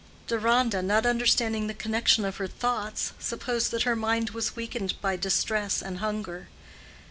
Deronda, not understanding the connection of her thoughts, supposed that her mind was weakened by distress and hunger.